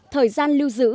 thời gian lưu giữ